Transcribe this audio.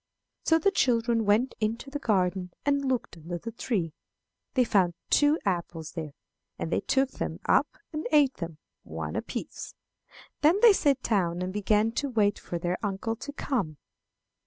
"So the children went into the garden and looked under the tree. They found two apples there, and they took them up and ate them one apiece. Then they sat down and began to wait for their uncle to come.